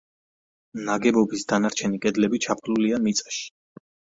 ნაგებობის დანარჩენი კედლები ჩაფლულია მიწაში.